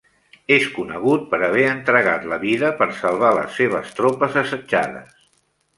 És conegut per haver entregat la vida per salvar les seves tropes assetjades.